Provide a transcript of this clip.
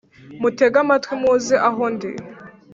Mutege amatwi muze aho ndi